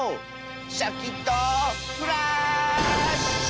シャキットフラーッシュ！